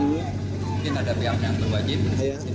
ini ada pihaknya yang berwajib